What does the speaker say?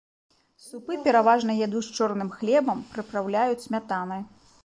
Супы пераважна ядуць з чорным хлебам, прыпраўляюць смятанай.